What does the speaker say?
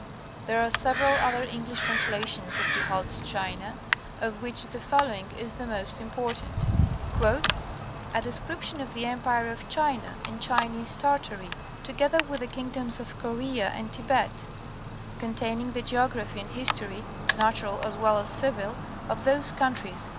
There are several other English translations of Du Halde's China, of which the following is the most important : "A description of the empire of China and Chinese Tartary, together with the kingdoms of Korea, and Tibet : containing the geography and history (natural as well as civil) of those countries.